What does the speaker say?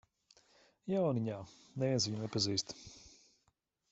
Jauniņā, neviens viņu nepazīst.